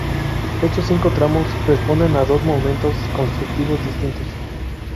Estos cinco tramos responden a dos momentos constructivos distintos.